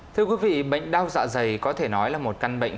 thưa quý vị bệnh đau dạ dày có thể nói là một căn bệnh